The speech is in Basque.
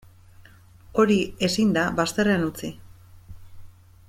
Hori ezin da bazterrean utzi.